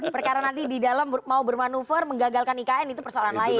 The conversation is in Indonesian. perkara nanti di dalam mau bermanuver menggagalkan ikn itu persoalan lain